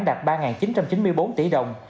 đạt ba chín trăm chín mươi bốn tỷ đồng